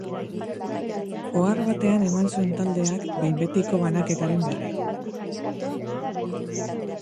Ohar batean eman zuen taldeak behin-betiko banaketaren berri.